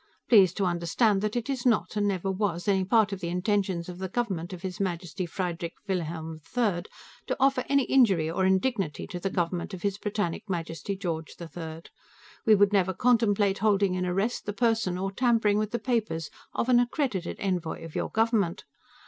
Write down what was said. Please to understand that it is not, and never was, any part of the intentions of the government of His Majesty Friedrich Wilhelm III to offer any injury or indignity to the government of His Britannic Majesty George III. We would never contemplate holding in arrest the person, or tampering with the papers, of an accredited envoy of your government.